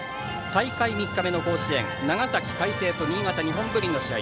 大会３日目の甲子園長崎・海星と新潟・日本文理の試合。